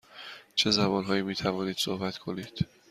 چه زبان هایی می توانید صحبت کنید؟